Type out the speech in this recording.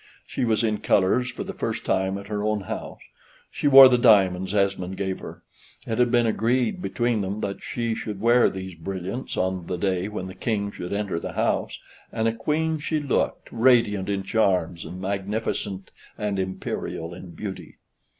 She was in colors for the first time at her own house; she wore the diamonds Esmond gave her; it had been agreed between them, that she should wear these brilliants on the day when the King should enter the house, and a Queen she looked, radiant in charms, and magnificent and imperial in beauty.